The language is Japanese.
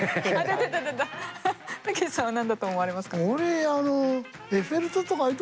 たけしさんは何だと思われますか？